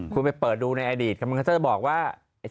คุณไปเปิดดูในอดีตมันก็จะบอกว่า